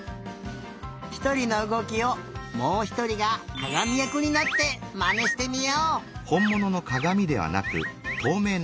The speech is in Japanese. ひとりのうごきをもうひとりがかがみやくになってまねしてみよう。